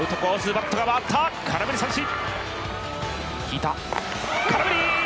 バットが回った、空振り三振！